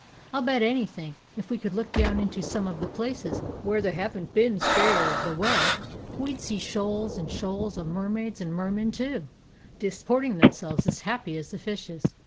I 'll bet anything, if we could look down into some of the places where they haven't been scared away, we 'd see shoals and shoals of mermaids and mermen, too, disporting them selves, as happy as the fishes.